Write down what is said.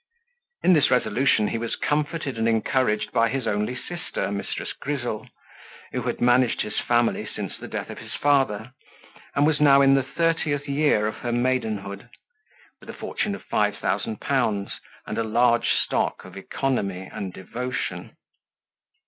In this resolution he was comforted and encouraged by his only sister, Mrs. Grizzle, who had managed his family since the death of his father, and was now in the thirtieth year of her maidenhood, with a fortune of five thousand pounds, and a large stock of economy and devotion.